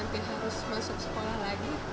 nanti harus masuk sekolah lagi